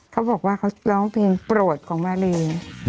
เขาบอกว่าเขาร้องเพลงโปรดของมาเล